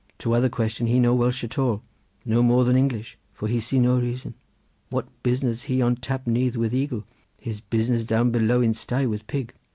To other question he no Welsh at all, no more than English, for he see no reason. What business he on Tap Nyth with eagle? His business down below in sty with pig.